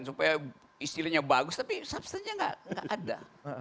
supaya istilahnya bagus tapi substansinya gak ada